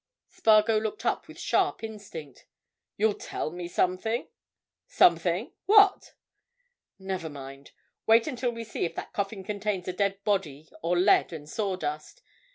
Spargo looked up with sharp instinct. "You'll tell me something? Something? What?" "Never mind—wait until we see if that coffin contains a dead body or lead and sawdust.